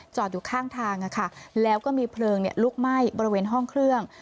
อยู่ข้างทางแล้วก็มีเพลิงลุกไหม้บริเวณห้องเครื่อง